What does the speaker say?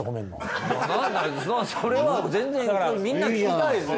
それは全然みんな聞きたいですよ。